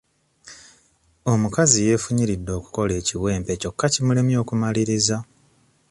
Omukazi yeefunyiridde okukola ekiwempe kyokka kimulemye okumalirirza.